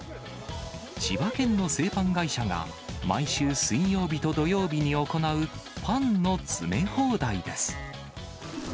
千葉県の製パン会社が、毎週水曜日と土曜日に行うパンの詰め放題です。